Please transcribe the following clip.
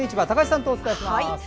高橋さんとお伝えします。